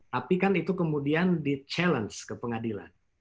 tapi kan itu kemudian di challenge ke pengadilan